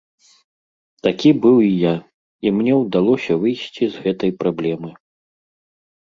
Такі быў і я, і мне ўдалося выйсці з гэтай праблемы.